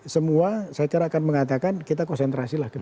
semua secara akan mengatakan kita konsentrasilah